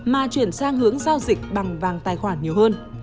mà chuyển sang hướng giao dịch bằng vàng tài khoản nhiều hơn